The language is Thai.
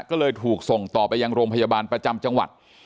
ก็เลยถูกส่งต่อไปยังโรงพยาบาลประจำจังหวัด